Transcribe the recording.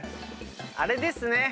あれですね。